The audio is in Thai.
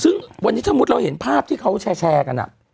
ซึ่งวันนี้ถ้ามุติเราเห็นภาพที่เขาแชร์กัน